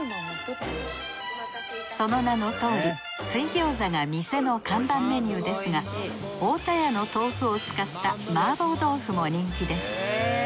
その名のとおり水餃子が店の看板メニューですが太田屋の豆腐を使った麻婆豆腐も人気です。